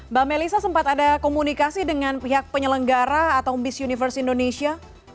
mbak melisa sempat ada komunikasi dengan pihak penyelenggara atau miss universe indonesia